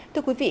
thưa quý vị